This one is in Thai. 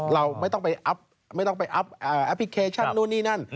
เราไม่ต้องไปอัพพลิเคชันนู่นนี่นั่น